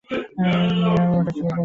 মীরা উঠে চলে যান, তবে হাসতে-হাসতে যান।